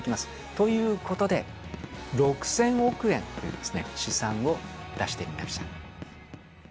ということで、６０００億円という試算を出してみました。